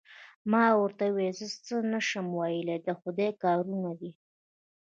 ما ورته وویل: زه څه نه شم ویلای، د خدای کارونه دي.